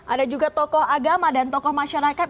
ada juga tokoh agama dan tokoh masyarakat